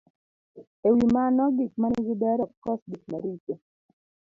E wi mano, gima nigi ber ok kos gik maricho.